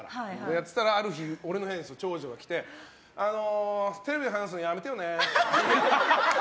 やってたらある日、俺の部屋に長女が来てテレビで話すのやめてよねって。